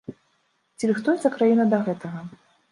Ці рыхтуецца краіна да гэтага?